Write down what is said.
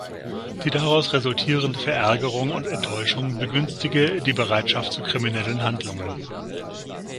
Die daraus resultierende Verärgerung und Enttäuschung begünstige die Bereitschaft zu kriminellen Handlungen.